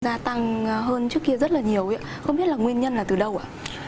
gia tăng hơn trước kia rất là nhiều không biết là nguyên nhân là từ đâu ạ